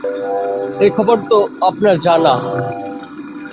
এই খবর তো আপনার জানা।